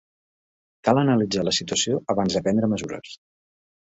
Cal analitzar la situació abans de prendre mesures.